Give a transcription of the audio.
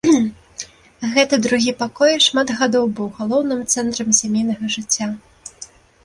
Гэты другі пакой шмат гадоў быў галоўным цэнтрам сямейнага жыцця.